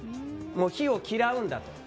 火を嫌うんだと。